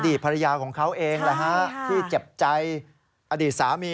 ภรรยาของเขาเองที่เจ็บใจอดีตสามี